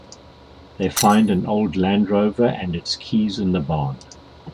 They find an old Land Rover and its keys in the barn.